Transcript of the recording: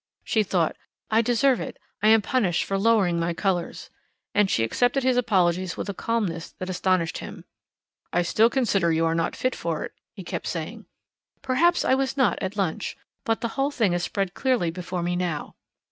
She thought, "I deserve it: I am punished for lowering my colours." And she accepted his apologies with a calmness that astonished him. "I still consider you are not fit for it," he kept saying. "Perhaps I was not at lunch. But the whole thing is spread clearly before me now."